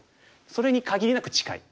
それに限りなく近い。